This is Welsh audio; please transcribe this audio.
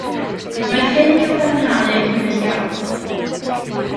Roedd hyn yn cadarnhau eu cyfeillgarwch.